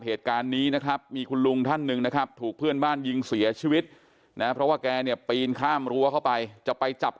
เหตุการณ์นี้นะครับมีคุณลุงท่านหนึ่งนะครับ